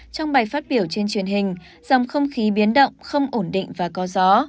trong bài phát biểu trên truyền hình dòng không khí biến động không ổn định và có gió